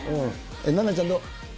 ナナちゃん、どう？